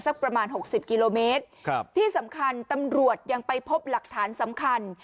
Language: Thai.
ประมาณหกสิบกิโลเมตรครับที่สำคัญตำรวจยังไปพบหลักฐานสำคัญ